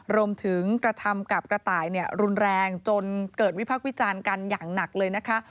รวมถึงกระทำกับกระต่ายรุนแรงจนเกิดวิพักษ์วิจารณ์กันอย่างหนักเลยนะคะ